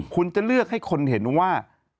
คุณจะเลือกให้คนเห็นว่า